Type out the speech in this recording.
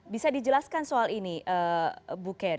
bisa dijelaskan soal ini bu kerr